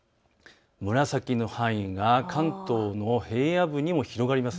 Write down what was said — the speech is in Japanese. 紫の範囲が関東の平野部にも広がります。